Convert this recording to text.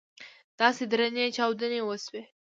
داسې درنې چاودنې وسوې.